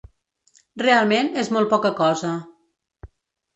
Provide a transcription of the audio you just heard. Realment, és molt poca cosa.